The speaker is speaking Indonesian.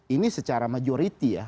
ini secara majority ya